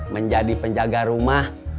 menjadi penjaga rumah